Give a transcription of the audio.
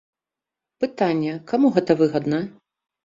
Пытанне, каму гэта выгадна?